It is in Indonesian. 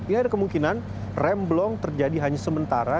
ini ada kemungkinan rem blong terjadi hanya sementara